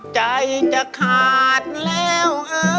ใจจะขาดแล้ว